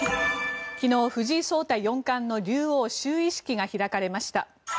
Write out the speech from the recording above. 昨日、藤井聡太四冠の竜王就位式が行われました。